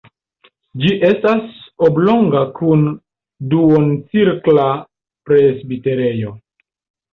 Ĝi estas oblonga kun duoncirkla presbiterejo.